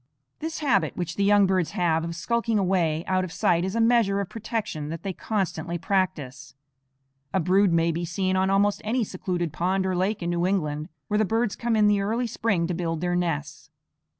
This habit which the young birds have of skulking away out of sight is a measure of protection that they constantly practise. A brood may be seen on almost any secluded pond or lake in New England, where the birds come in the early spring to build their nests.